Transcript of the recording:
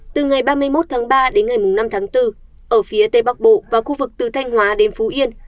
từ ngày ba mươi một tháng ba đến ngày năm tháng bốn ở phía tây bắc bộ và khu vực từ thanh hóa đến phú yên